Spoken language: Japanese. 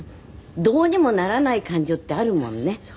どうにもならない感情ってあるもんね。